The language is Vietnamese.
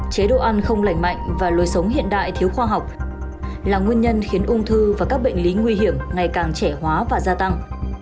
chế độ ăn không lành mạnh và lối sống hiện đại thiếu khoa học là nguyên nhân khiến ung thư và các bệnh lý nguy hiểm ngày càng trẻ hóa và gia tăng